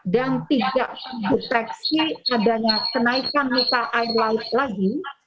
dan tidak terdeteksi adanya kenaikan muka air laut lagi